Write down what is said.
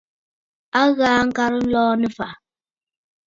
A ghaa ŋkarə nlɔɔ nɨ̂ ɨ̀fàʼà.